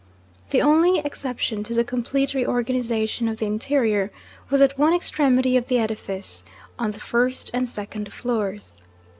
The only exception to the complete re organization of the interior was at one extremity of the edifice, on the first and second floors.